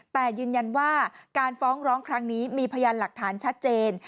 แต่ยืนยันว่าการฟ้องร้องครั้งนี้มีพยานหลักฐานชัดเจน